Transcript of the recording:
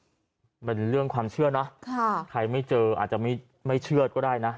มันเป็นเรื่องความเชื่อนะใครไม่เจออาจจะไม่เชื่อก็ได้นะ